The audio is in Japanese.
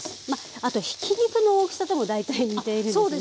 あとひき肉の大きさとも大体似ているんですね。